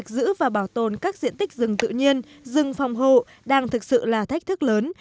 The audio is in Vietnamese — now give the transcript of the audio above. giữ và bảo tồn các diện tích rừng tự nhiên rừng phòng hộ đang thực sự là thách thức lớn